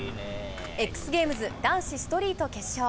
ＸＧａｍｅｓ男子ストリート決勝。